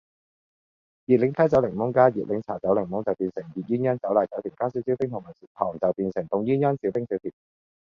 熱檸啡走檸檬加熱檸茶走檸檬就變成熱鴛鴦走奶走甜，加少少冰同埋糖就變成凍鴛鴦少冰少甜